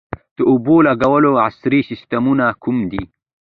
د اوبو لګولو عصري سیستمونه کوم دي؟